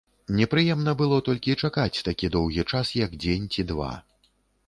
Непрыемна было толькі чакаць такі доўгі час, як дзень ці два.